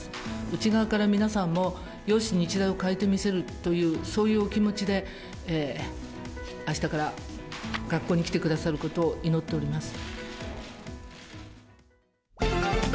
内側から皆さんも、よし、日大を変えてみせるという、そういうお気持ちで、あしたから学校に来てくださることを祈っております。